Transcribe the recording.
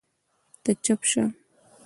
ته چپ سه